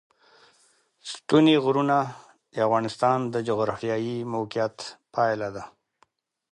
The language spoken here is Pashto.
ستوني غرونه د افغانستان د جغرافیایي موقیعت پایله ده.